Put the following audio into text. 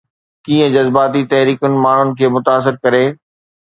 ڪيئن جذباتي تحريڪن ماڻهن کي متاثر ڪري؟